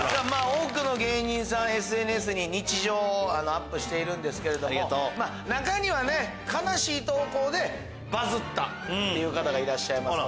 多くの芸人さんＳＮＳに日常をアップしているんですけれども中には悲しい投稿でバズった方がいらっしゃいます。